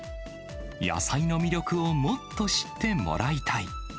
野菜の魅力をもっと知ってもらいたい。